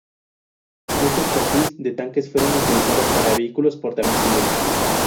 Muchos chasis de tanques fueron utilizados para vehículos porta-misiles.